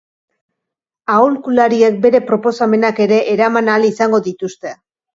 Aholkulariek bere proposamenak ere eraman ahal izango dituzte.